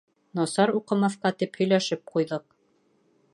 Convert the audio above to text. Насар уҡымаҫҡа тип һөйләшеп ҡуйҙыҡ.